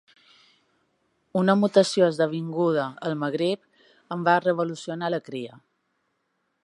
Una mutació esdevinguda al Magrib en va revolucionà la cria.